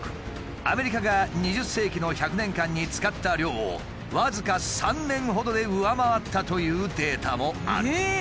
アメリカが２０世紀の１００年間に使った量を僅か３年ほどで上回ったというデータもある。